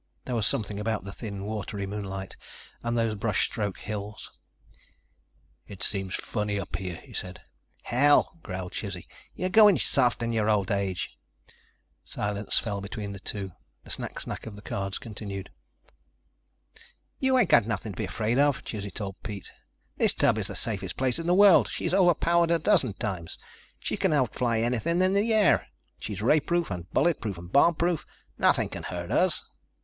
There was something about the thin, watery moonlight, and those brush stroke hills.... "It seems funny up here," he said. "Hell," growled Chizzy, "you're going soft in your old age." Silence fell between the two. The snack snack of the cards continued. "You ain't got nothing to be afraid of," Chizzy told Pete. "This tub is the safest place in the world. She's overpowered a dozen times. She can outfly anything in the air. She's rayproof and bulletproof and bombproof. Nothing can hurt us."